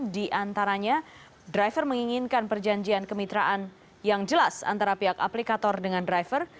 di antaranya driver menginginkan perjanjian kemitraan yang jelas antara pihak aplikator dengan driver